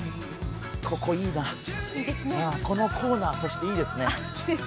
ここいいな、このコーナー、いいですね。